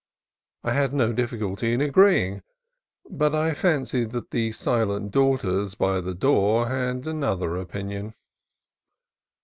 I had no difficulty in agreeing, but I fancied that the silent daughters by the door had another opinion.